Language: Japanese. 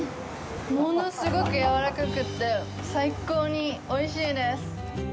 物すごくやわらかくて最高においしいです。